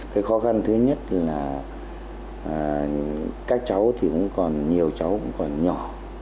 cái khó khăn thứ nhất là các cháu thì cũng còn nhiều cháu cũng còn nhỏ